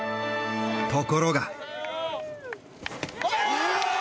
ところが。